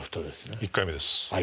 はい１回目です。